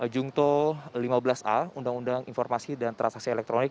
jungto lima belas a undang undang informasi dan transaksi elektronik